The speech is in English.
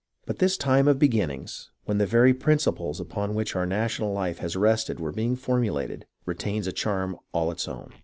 But this time of beginnings, when the very prin ciples upon which our national life has rested were being formulated, retains a charm all its own.